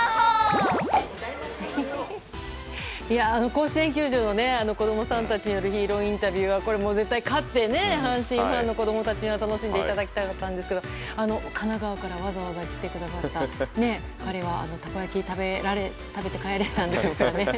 甲子園球場の子供さんたちによるヒーローインタビューは絶対勝って阪神ファンの子供たちに楽しんでいただきたかったんですが神奈川からわざわざ来てくださった２人はたこ焼きを食べて帰れたんでしょうか。